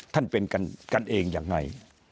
ท่านเป็นกันเองยังไง